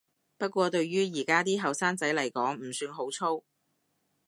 不過對於而家啲後生仔來講唔算好粗